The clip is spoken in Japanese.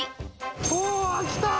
おぉきた！